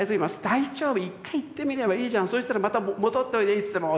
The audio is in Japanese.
「大丈夫一回行ってみればいいじゃん。そうしたらまた戻っておいでいつでも」とうれしそうに言う。